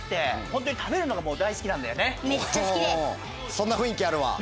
そんな雰囲気あるわ。